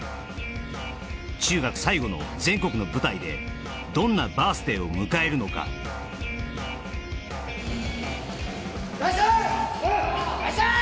中学最後の全国の舞台でどんなバース・デイを迎えるのかお願いします